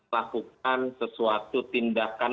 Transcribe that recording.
lakukan sesuatu tindakan